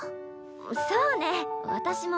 そうね私も。